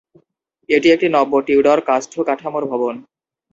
এটি একটি নব্য-টিউডর কাষ্ঠ-কাঠামোর ভবন।